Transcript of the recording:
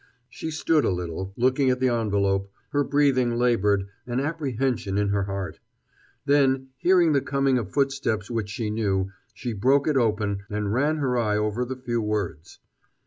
She stood a little, looking at the envelope, her breathing labored, an apprehension in her heart. Then, hearing the coming of footsteps which she knew, she broke it open, and ran her eye over the few words.